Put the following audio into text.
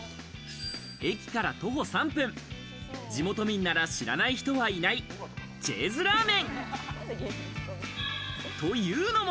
駅から徒歩３分、地元民なら知らない人はいない、Ｊ’ｓラーメン。というのも。